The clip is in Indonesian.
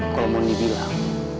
kalau mau dibilang